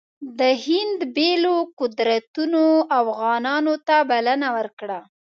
د هند بېلو قدرتونو افغانانو ته بلنه ورکړه.